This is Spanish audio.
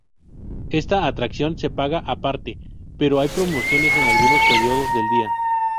Esta atracción se paga aparte, pero hay promociones el algunos periodos del día.